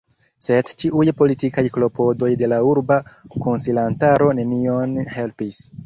Sed ĉiuj politikaj klopodoj de la urba konsilantaro nenion helpis.